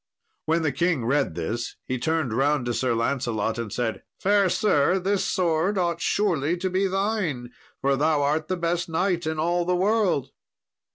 When the king read this, he turned round to Sir Lancelot, and said, "Fair sir, this sword ought surely to be thine, for thou art the best knight in all the world."